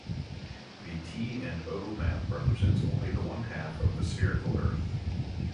The T and O map represents only the one half of the spherical Earth.